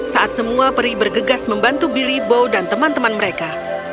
saat semua peri bergegas membantu billy bow dan teman teman mereka